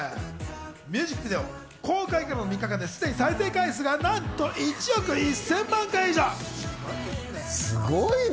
ミュージックビデオは公開から３日間ですでに再生回数１億１０００万回以上。